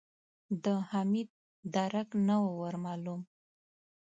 د حميد درک نه و ور مالوم.